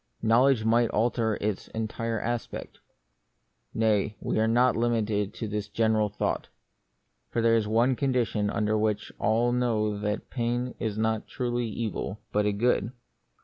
Knowledge might alter its entire aspect. Nay, we are not limited to this general thought. For there is one condition under which all know that pain is not truly an evil, but a good.